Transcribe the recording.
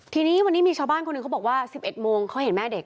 ทีนี้วันนี้มีชาวบ้านคนหนึ่งเขาบอกว่า๑๑โมงเขาเห็นแม่เด็ก